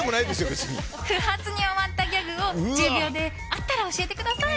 不発に終わったギャグを１０秒であったら教えてください。